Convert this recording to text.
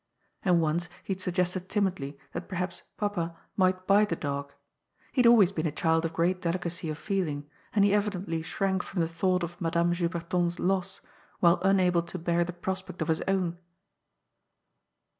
And once he had suggested timidly that perhaps papa might buy the dog. He had always been a child of great delicacy of feeling, and he evidently shrank from the thought of Madame Juberton's loss, while unable to bear the prospect of his own.